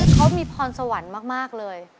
เขามีพรสวรรค์มากเลย